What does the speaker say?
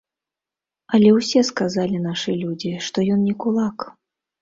Але ўсе сказалі нашы людзі, што ён не кулак.